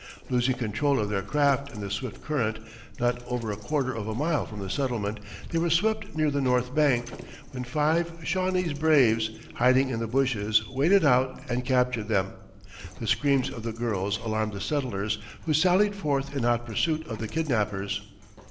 Losing control of their craft in the swift current, not over a quarter of a mile from the settlement, they were swept near the north bank, when five Shawnese braves, hiding in the bushes, waded out and captured them. The screams of the girls alarmed the settlers, who sallied forth in hot pursuit of the kidnappers.